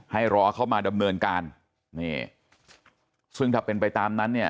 ให้รอเข้ามาดำเนินการนี่ซึ่งถ้าเป็นไปตามนั้นเนี่ย